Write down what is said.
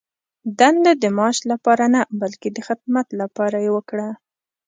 دنده د معاش لپاره نه، بلکې د خدمت لپاره یې وکړه.